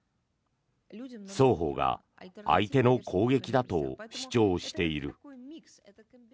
双方が相手の攻撃だと主張している。